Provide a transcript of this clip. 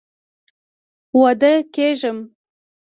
اوده کیږم